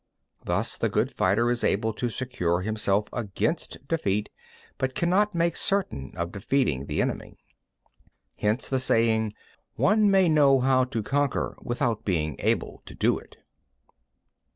3. Thus the good fighter is able to secure himself against defeat, but cannot make certain of defeating the enemy. 4. Hence the saying: One may know how to conquer without being able to do it.